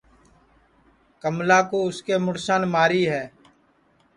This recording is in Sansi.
کملا کُو اُس کے مُڑسان ماری ہے